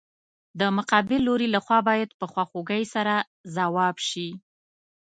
د مقابل لوري له خوا باید په خواخوږۍ سره ځواب شي.